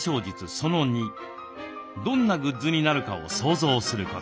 その２どんなグッズになるかを想像すること。